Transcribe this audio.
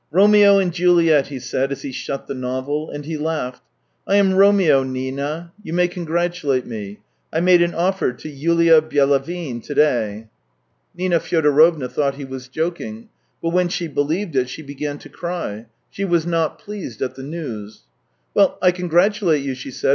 " Romeo and Juliet !" he said, as he shut the novel, and he laughed. " I am Romeo, Nina. You may congratulate me. I made an offer to Yulia Byelavin to day." Nina Fyodorovna thought he was joking, but when she believed it, she began to cry; she was not pleased at the news. " Well, I congratulate you," she said.